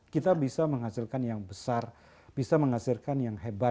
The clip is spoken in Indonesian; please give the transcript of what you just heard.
kita bisa menghasilkan yang besar bisa menghasilkan yang hebat